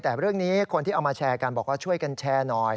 แต่เรื่องนี้คนที่เอามาแชร์กันบอกว่าช่วยกันแชร์หน่อย